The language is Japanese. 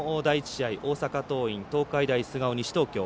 大阪桐蔭、東海大菅生、西東京。